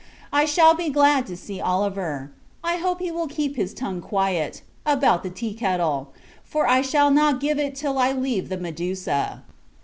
I shall be glad to see Oliver: I hope he will keep his tongue quiet, about the tea kettle; for, I shall not give it till I leave the Medusa.